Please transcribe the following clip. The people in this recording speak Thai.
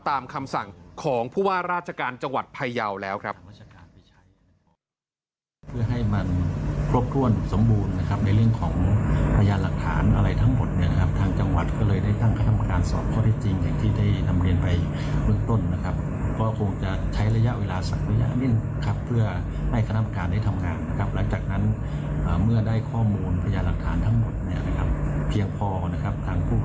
ตามคำสั่งของผู้ว่าราชการจังหวัดพยาวแล้วครับ